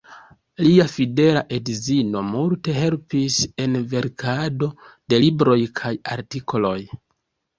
Lia fidela edzino multe helpis en verkado de libroj kaj artikoloj.